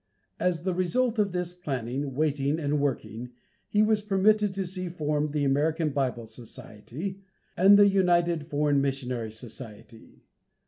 As the result of this planning, waiting and working, he was permitted to see formed the American Bible Society, and the United Foreign Missionary Society.